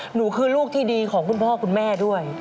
หนูคือลูกที่ดีของคุณพ่อคุณแม่ด้วย